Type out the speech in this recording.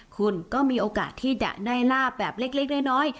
คุณก็มีโอกาสที่จะได้ลาบแบบเล็กน้อย